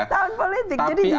tahun politik jadi di tahun itu